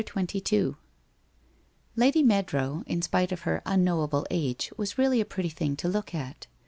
CHAPTER XXII Lady Meadrow in Bpite nf her unknowable age was really a pretty thing to look at.